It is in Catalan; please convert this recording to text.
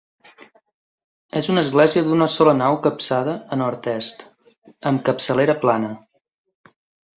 És una església d'una sola nau capçada a nord-est amb capçalera plana.